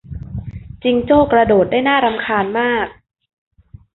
จิงโจ้กระโดดได้น่ารำคาญมาก